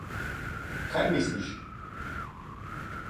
Kaj misliš?